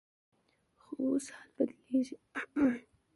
خو اوس حالات بدلیږي.